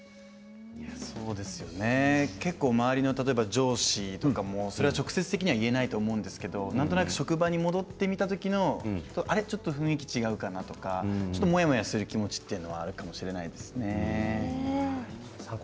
そうですよね結構、周りの上司とかも直接的には言えないと思うんですけどなんとなく職場に戻った時のちょっと雰囲気違うかなとかちょっとモヤモヤする気持ちというのはあるかもしれないですね。